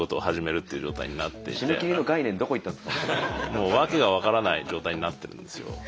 もう訳が分からない状態になってるんですよ。